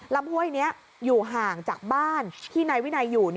ห้วยนี้อยู่ห่างจากบ้านที่นายวินัยอยู่